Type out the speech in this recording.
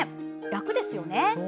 楽ですよね！